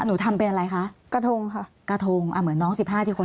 หนูทำเป็นอะไรคะกระทงค่ะกระทงอ่าเหมือนน้องสิบห้าที่คน